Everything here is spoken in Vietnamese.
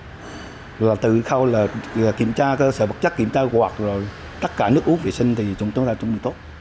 rồi từ khâu là kiểm tra cơ sở vật chất kiểm tra quạt rồi tất cả nước uống vệ sinh thì chúng tôi đã chuẩn bị tốt